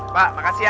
pak makasih ya